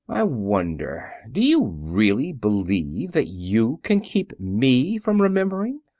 "I wonder ... do you really believe that you can keep me from remembering?